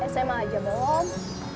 sma aja belum